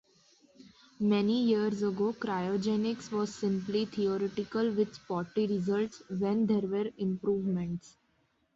Many years ago, cryogenics was simply theoretical, with spotty results when there were improvements.